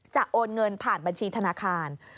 โอนเงินผ่านบัญชีธนาคาร